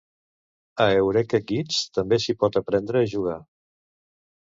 A Eurekakids també s'hi pot aprendre a jugar.